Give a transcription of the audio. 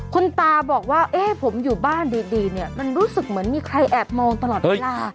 คุณตาบอกว่าเอ๊ะผมอยู่บ้านดีเนี่ยมันรู้สึกเหมือนมีใครแอบมองตลอดเวลา